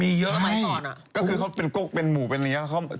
มีเยอะคือเขาเป็นกล้อเป็นหมูเป็นอะไรยังไง